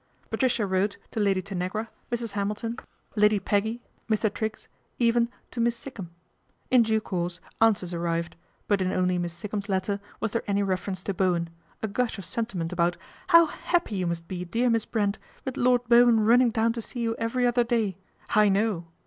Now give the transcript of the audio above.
Patricia wrote to Lady Tanagra, Mrs. Hamilton, 288 PATRICIA BRENT, SPINSTER Lad} Peggy, Mr. Triggs, even to Miss Sikkum. In due course answers arrived ; but in only Miss Sikkum's letter was there any reference to Bowen, a gush of sentiment about " how happy you must be, dear Miss Brent, with Lord Bowen running down to see you every other day. I know